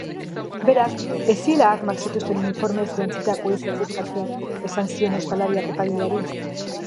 Berak ez ziela armak zituzten uniformez jantzitakoei zerbitzatzen esan zion ostalariak epaileari.